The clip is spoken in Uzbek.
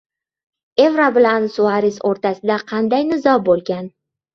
Evra bilan Suares o‘rtasida qanday nizo bo‘lgan?